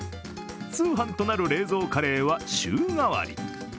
通販となる冷蔵カレーは週替わり。